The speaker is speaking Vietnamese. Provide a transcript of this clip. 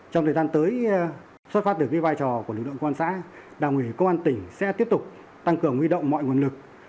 trong thời gian tới xuất phát được vai trò của lực lượng công an xã đảng ủy công an tỉnh sẽ tiếp tục tăng cường huy động mọi nguồn lực